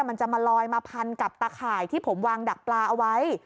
มันจะมาลอยมาพันกับตะข่ายที่ผมวางดักปลาเอาไว้